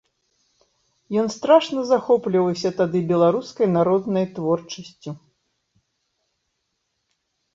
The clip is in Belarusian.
Ён страшна захопліваўся тады беларускай народнай творчасцю.